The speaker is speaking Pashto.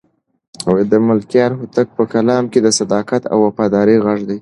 د ملکیار هوتک په کلام کې د صداقت او وفادارۍ غږ دی.